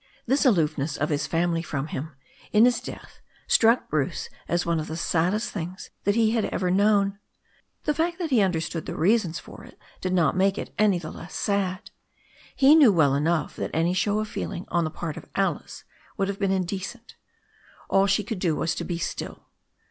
This aloofness of his family from him in his death struck Bruce as one of the saddest things that he had ever known. The fact that he understood the reasons for it did not make it any the less sad. He knew well enough that any show of feeling on the part of Alice would have been indecent. All she could do was to be stilt.